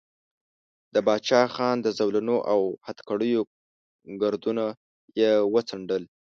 د باچا خان د زولنو او هتکړیو ګردونه یې وڅنډل.